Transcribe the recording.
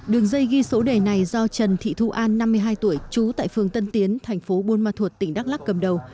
đường dây ghi số đề này do trần thị thu an năm mươi hai tuổi trú tại phường tân tiến thành phố buôn ma thuột tỉnh đắk lắc cầm đầu